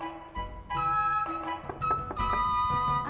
terima kasih pak